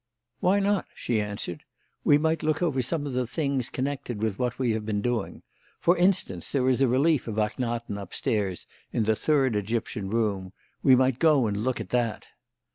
"Why not?" she answered. "We might look over some of the things connected with what we have been doing. For instance, there is a relief of Ahkhenaten upstairs in the Third Egyptian Room; we might go and look at that."